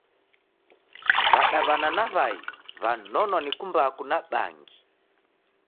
W'adaw'ana na Wai w'anonwa ni kumbaku na bangi.